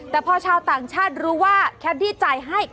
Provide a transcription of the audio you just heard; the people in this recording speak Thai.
แต่พอชาวต่างชาติรู้ว่าแคดดี้จ่ายให้